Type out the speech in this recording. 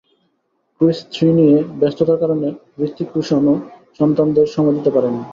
কৃষ three নিয়ে ব্যস্ততার কারণে হূতিক রোশনও সন্তানদের সময় দিতে পারেননি।